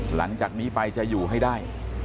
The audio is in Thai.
หลังจากนี้ไปจะอยู่ให้ได้